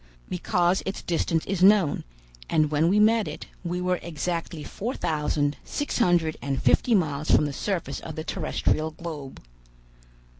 "Because its distance is known, and when we met it, we were exactly four thousand six hundred and fifty miles from the surface of the terrestrial globe."